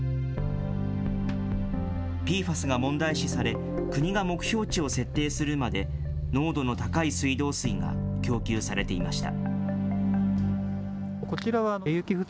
ＰＦＡＳが問題視され、国が目標値を設定するまで、濃度の高い水道水が供給されていました。